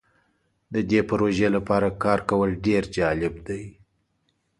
د دې پروژې لپاره کار کول ډیر جالب دی.